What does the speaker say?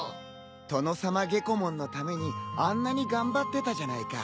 トノサマゲコモンのためにあんなに頑張ってたじゃないか。